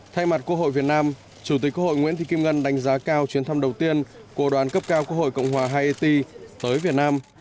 thay mặt quốc hội việt nam chủ tịch quốc hội nguyễn thị kim ngân đánh giá cao chuyến thăm đầu tiên của đoàn cấp cao quốc hội cộng hòa hai eti tới việt nam